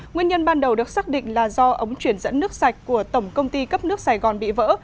nguyên nhân ban đầu được xác định là do ống truyền dẫn nước sạch của tổng công ty cấp nước sài gòn bị vỡ